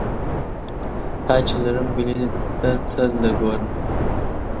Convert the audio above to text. تا چې لرم بلې ته څه له ګورم؟